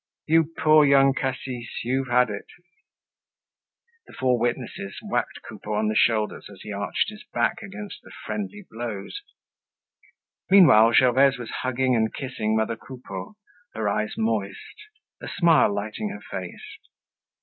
You poor Young Cassis, you've had it." The four witnesses whacked Coupeau on the shoulders as he arched his back against the friendly blows. Meanwhile Gervaise was hugging and kissing mother Coupeau, her eyes moist, a smile lighting her face.